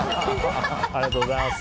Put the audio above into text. ありがとうございます。